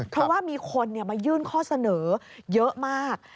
เพราะว่ามีคนมายื่นข้อเสนอเยอะมาก